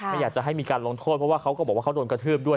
ไม่อยากจะให้มีการลงโทษเพราะว่าเขาก็บอกว่าเขาโดนกระทืบด้วย